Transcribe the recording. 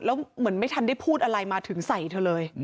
แล้วเหมือนไม่ทันได้พูดอะไรมาถึงใส่เธอเลย